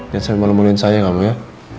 jangan selalu malu maluin saya kamu ya